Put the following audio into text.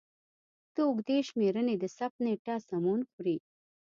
د اوږدې شمېرنې د ثبت نېټه سمون خوري.